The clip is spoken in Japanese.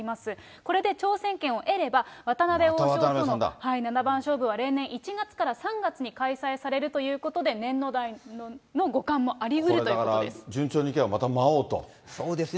これで挑戦権を得れば、渡辺王将との七番勝負は例年、１月から３月に開催されるということで、年度内の五冠もありうるこれだから順調にいけば、そうですね。